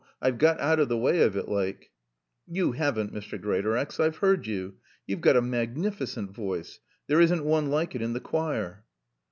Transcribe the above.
I've got out of the way of it, like." "You haven't, Mr. Greatorex. I've heard you. You've got a magnificent voice. There isn't one like it in the choir."